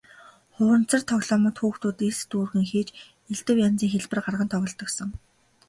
Хуванцар тоглоомд хүүхдүүд элс дүүргэн хийж элдэв янзын хэлбэр гарган тоглодог сон.